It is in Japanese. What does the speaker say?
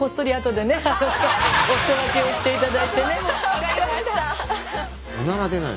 わかりました。